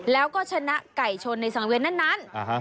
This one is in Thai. แล้วก็ชนะไก่ชนในสังเวียนนั้น